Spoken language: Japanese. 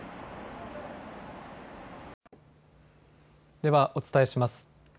ではお伝えします。